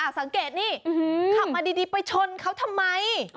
สังเกตนี่ขับมาดีไปชนเขาทำไม